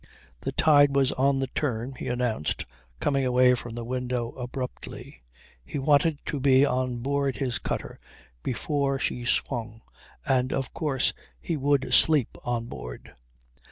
The tide was on the turn, he announced coming away from the window abruptly. He wanted to be on board his cutter before she swung and of course he would sleep on board.